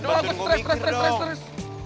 udah doang gue stres